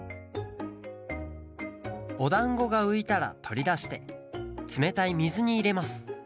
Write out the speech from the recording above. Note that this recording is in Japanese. おだんごがういたらとりだしてつめたいみずにいれます。